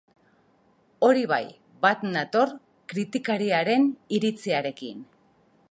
Hori bai, bat nator kritikariaren iritziarekin.